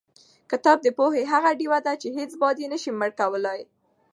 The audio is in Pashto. کتاب د پوهې هغه ډیوه ده چې هېڅ باد یې نشي مړ کولی.